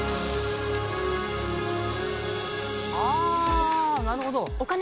あなるほど。